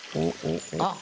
あっ。